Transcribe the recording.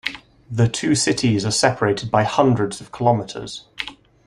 The two cities are separated by hundreds of kilometers.